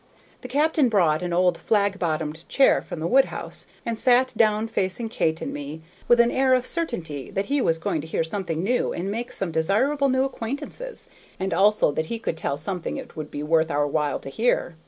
The captain brought an old flag bottomed chair from the woodhouse, and sat down facing Kate and me, with an air of certainty that he was going to hear something new and make some desirable new acquaintances, and also that he could tell something it would be worth our while to hear.